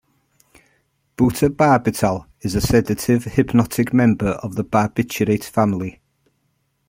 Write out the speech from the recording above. Butabarbital is a sedative hypnotic member of the barbiturate family.